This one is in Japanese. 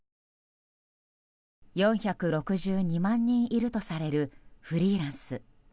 ４６２万人いるとされるフリーランス。